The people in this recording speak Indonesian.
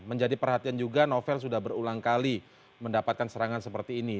menjadi perhatian juga novel sudah berulang kali mendapatkan serangan seperti ini